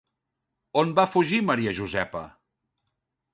On va fugir Maria Josepa?